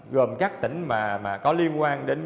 gồm các tỉnh mà có liên quan đến